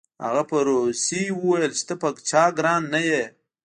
هغه په روسي وویل چې ته په چا ګران نه یې